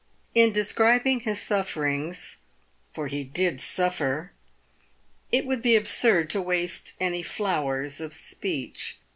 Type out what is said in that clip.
In describing his sufferings — for he did suffer — it would be absurd to waste any flowers of speech.